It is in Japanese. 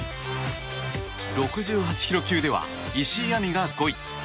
６８ｋｇ級では石井亜海が５位。